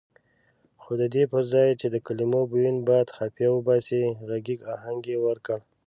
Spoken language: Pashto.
خو ددې پرځای چې د کلمو بوین باد خفیه وباسي غږیز اهنګ یې ورکړ.